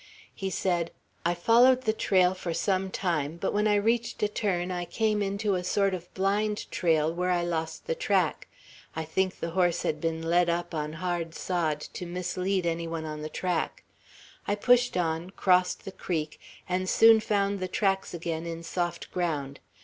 He said: "I followed the trail for some time, but when I reached a turn, I came into a sort of blind trail, where I lost the track. I think the horse had been led up on hard sod, to mislead any one on the track. I pushed on, crossed the creek, and soon found the tracks again in soft ground.